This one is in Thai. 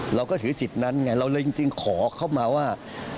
เราก็ถือสิทธิ์นั้นไงเราเลยจริงขอเข้ามาว่า